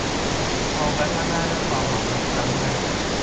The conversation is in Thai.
มองไปข้างหน้าด้วยความหวังครั้งใหม่